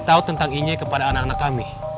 beritahu tentang inyai kepada anak anak kami